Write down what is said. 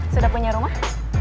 sudah punya rumah